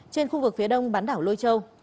trên khu vực phía đông bán đảo lôi châu